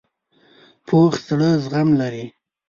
پوخ زړه زغم لري